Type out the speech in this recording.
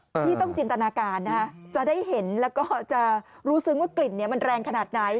ที่ต้องจินตนาการนะฮะจะได้เห็นแล้วก็จะรู้ซึ้งว่ากลิ่นเนี่ยมันแรงขนาดไหน